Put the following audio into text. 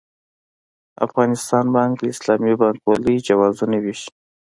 افغانستان بانک د اسلامي بانکوالۍ جوازونه وېشي.